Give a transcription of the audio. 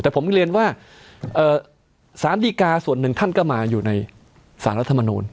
แต่ผมเรียนว่าสารดีกาส่วนหนึ่งท่านก็มาอยู่ในสารรัฐมนูล